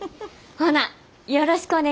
ほなよろしくお願いします！